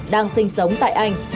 đang sinh sống tại anh